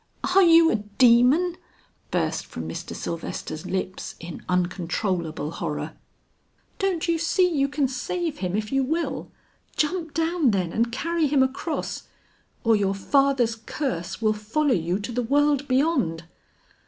"Are you a demon?" burst from Mr. Sylvester's lips in uncontrollable horror. "Don't you see you can save him if you will? Jump down, then, and carry him across, or your father's curse will follow you to the world beyond."